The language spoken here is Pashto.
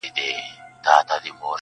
لکه ښاخ د زاړه توت غټ مړوندونه،